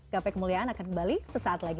gapai kemuliaan akan kembali sesaat lagi